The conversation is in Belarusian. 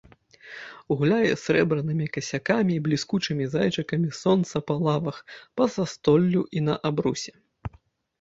Гуляе срэбранымі касякамі і бліскучымі зайчыкамі сонца па лавах, па застоллю і на абрусе.